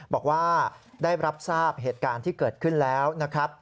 บอกว่าได้รับทราบเหตุการณ์ที่เกิดขึ้นแล้วนะครับ